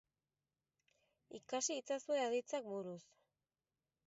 Ikas itzazue aditzak buruz.